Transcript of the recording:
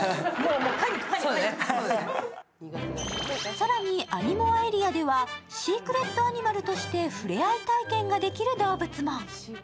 更に、あにもあエリアではシークレットアニマルとしてふれあい体験ができる動物も。